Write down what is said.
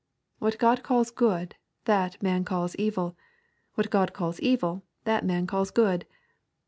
What God calls good, that man calls evil 1 What God calls evil, that man calls good